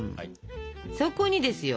そこにですよ。